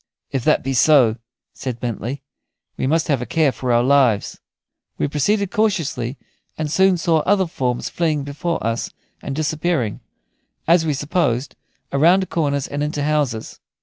"If that be so," said Bentley, "we must have a care for our lives." We proceeded cautiously, and soon saw other forms fleeing before us and disappearing, as we supposed, around corners and into houses.